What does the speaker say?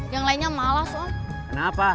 yang lainnya malas om